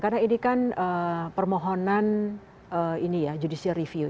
karena ini kan permohonan ini ya judicial review